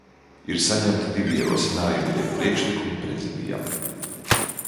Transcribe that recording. Ir saņemti divi ierosinājumi, jeb priekšlikumi Prezidijam.